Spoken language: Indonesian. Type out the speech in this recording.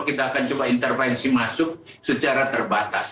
kita akan coba intervensi masuk secara terbatas